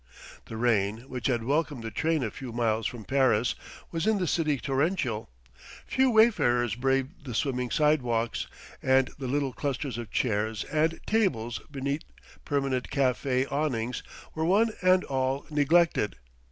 The rain, which had welcomed the train a few miles from Paris, was in the city torrential. Few wayfarers braved the swimming sidewalks, and the little clusters of chairs and tables beneath permanent café awnings were one and all neglected.